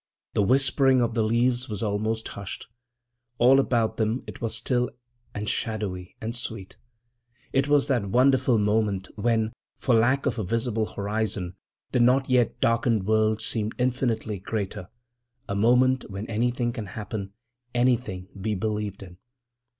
The whispering of the leaves was almost hushed. All about them it was still and shadowy and sweet. It was that wonderful moment when, for lack of a visible horizon, the not yet darkened world seems infinitely greater—a moment when anything can happen, anything be believed in.